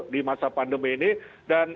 di masa pandemi ini dan